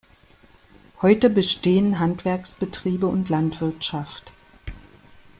Heute bestehen Handwerksbetriebe und Landwirtschaft.